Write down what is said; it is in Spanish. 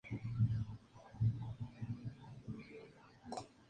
El clima del municipio es subtropical y templado, con veranos moderados e inviernos frescos.